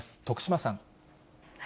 徳島さん。